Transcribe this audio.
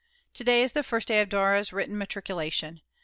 To day is the first day of Dora's written matriculation.